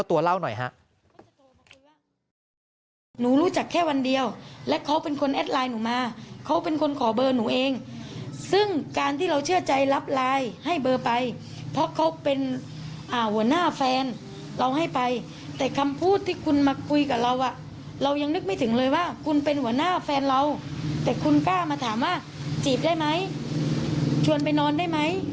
ฟังเจ้าตัวเล่าหน่อย